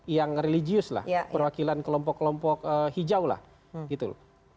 yang religius lah perwakilan kelompok kelompok hijau lah gitu loh